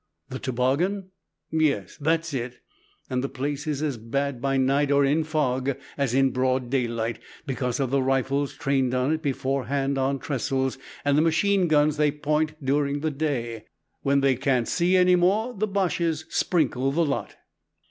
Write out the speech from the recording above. "The Toboggan." "Yes, that's it; and the place is as bad by night or in fog as in broad daylight, because of the rifles trained on it before hand on trestles, and the machine guns that they point during the day. When they can't see any more, the Boches sprinkle the lot.